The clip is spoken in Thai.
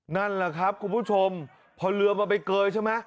นั่นแหละครับคุณผู้ชมพอเรือมันไปเกยใช่ไหม